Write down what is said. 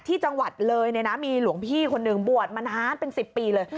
ที่จังหวัดเลยเนี่ยนะมีหลวงพี่คนหนึ่งบวชมานานเป็น๑๐ปีเลย